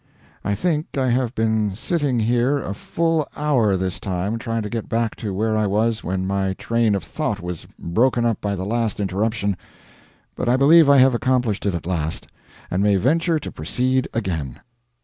I think I have been sitting here a full hour this time, trying to get back to where I was when my train of thought was broken up by the lastinterruption; but I believe I have accomplished it at last, and may venture to proceed again.